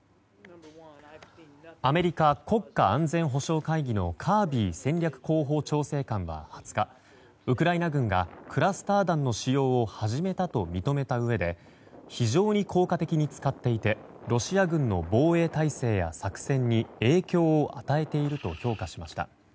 アメリカ国家安全保障会議のカービー戦略広報調整官は２０日ウクライナ軍がクラスター弾の使用を始めたと認めたうえで非常に効果的に使っていてロシア軍の防衛態勢や作戦に影響を与えていると評価しました。